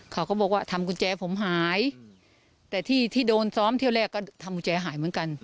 เขาก็บอกว่าทำกุญแจผมหายแต่ที่ที่โดนซ้อมเที่ยวแรกก็ทำกุญแจหายเหมือนกัน